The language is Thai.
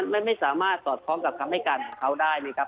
ไม่สามารถสอดคล้องกับคำให้การของเขาได้นี่ครับ